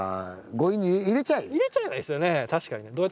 確かにね。